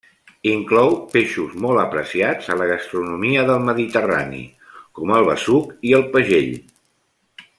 Inclou peixos molt apreciats a la gastronomia del Mediterrani, com el besuc i el pagell.